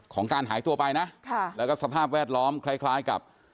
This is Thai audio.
การหายตัวไปนะค่ะแล้วก็สภาพแวดล้อมคล้ายกับ